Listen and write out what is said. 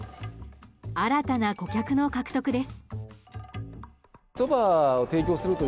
新たな顧客の獲得です。